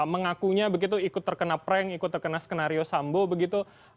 mengakunya begitu ikut terkena prank ikut terkena skenario sambo begitu